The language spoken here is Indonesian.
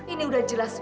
ini udah jelas